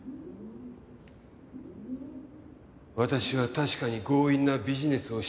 私は確かに強引なビジネスをしてきた。